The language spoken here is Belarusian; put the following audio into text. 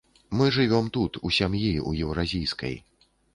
Мы жывём тут, у сям'і, у еўразійскай.